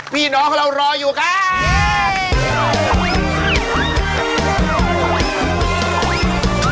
พี่น้องของเรารออยู่ครับ